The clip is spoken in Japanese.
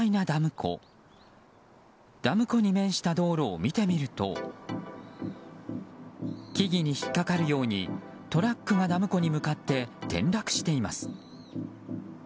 ダム湖に面した道路を見てみると木々に引っかかるようにトラックがダム湖に向かって転落しています。